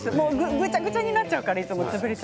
ぐちゃぐちゃになっちゃうからいつも。